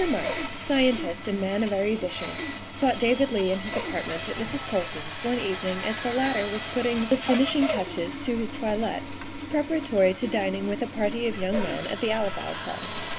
MARKS, scientist and man of erudition, sought David Leigh in his apartment at Mrs. Colson's one evening as the latter was putting the finishing touches to his toilet preparatory to dining with a party of young men at the Alibi Club.